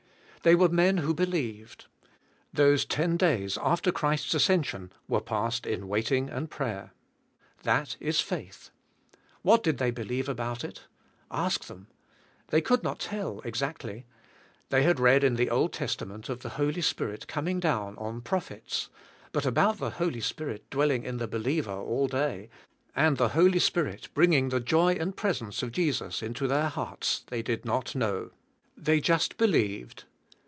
They were men who believed. Those ten days a.f ter Christ's Ascension w^ere passed in waiting and prayer. That is faith. V/hat did they believe about it? Ask them. They could not tell exactly. They had read in the Old Testament of the Holy Spirit coming down on pro phets; but about the Holy Spirit dwelling in the believer all day, and the Holy Spirit bringing the joy and presence of Jesus into their hearts, they did not know. They just believed.